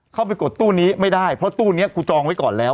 ไปกดตู้นี้ไม่ได้เพราะตู้นี้กูจองไว้ก่อนแล้ว